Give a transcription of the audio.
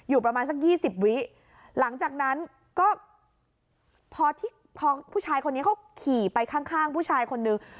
ประมาณสักยี่สิบวิหลังจากนั้นก็พอผู้ชายคนนี้เขาขี่ไปข้างผู้ชายคนนึง